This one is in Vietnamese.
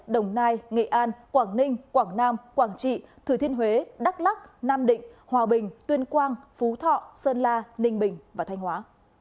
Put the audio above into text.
đồng nai nghệ an quảng ninh quảng nam quảng trị thừa thiên huế đắk lắc nam định hòa bình tuyên quang phú thọ sơn la ninh bình và thanh hóa